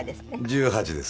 １８です。